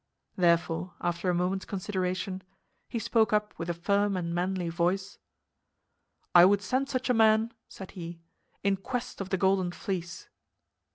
Therefore, after a moment's consideration, he spoke up with a firm and manly voice: "I would send such a man," said he, "in quest of the Golden Fleece!"